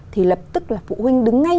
thì lập tức là phụ huynh đứng ngay